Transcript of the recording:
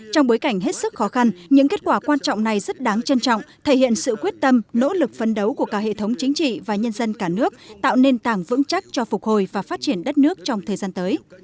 trong bối cảnh hết sức khó khăn những kết quả quan trọng này rất đáng trân trọng thể hiện sự quyết tâm nỗ lực phân đấu của cả hệ thống chính trị và nhân dân cả nước tạo nền tảng vững chắc cho phục hồi và phát triển đất nước trong thời gian tới